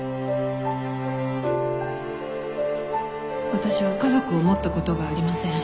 私は家族を持ったことがありません